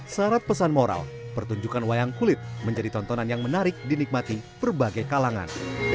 syarat pesan moral pertunjukan wayang kulit menjadi tontonan yang menarik dinikmati berbagai kalangan